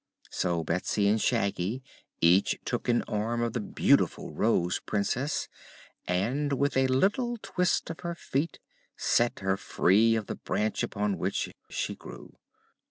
So Betsy and Shaggy each took an arm of the beautiful Rose Princess and a little twist of her feet set her free of the branch upon which she grew.